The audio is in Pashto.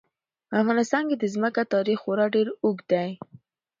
په افغانستان کې د ځمکه تاریخ خورا ډېر اوږد دی.